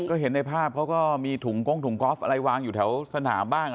ก็เห็นในภาพเขาก็มีถุงกงถุงกอล์ฟอะไรวางอยู่แถวสนามบ้าง